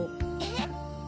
えっ？